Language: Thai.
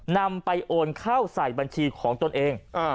นำไปโอนเข้าใส่บัญชีของตนเอง